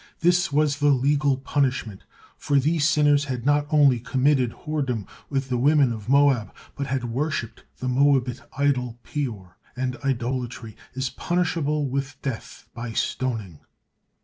This was the legal punishment, for these sinners had not only committed whoredom with the women of Moab, but had worshipped the Moabit idol Peor; and idolatry is punishable with death by stoning.